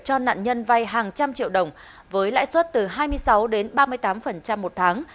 cho nạn nhân vay hàng trăm triệu đồng với lãi suất từ hai mươi sáu đến ba mươi tám một tháng